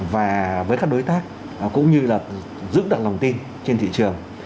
và với các đối tác cũng như là giữ được lòng tin trên thị trường